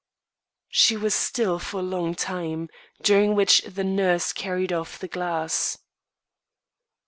She was still for a long time, during which the nurse carried off the glass.